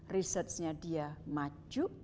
research nya dia maju